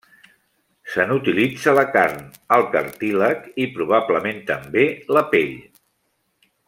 Se n'utilitza la carn, el cartílag i, probablement també, la pell.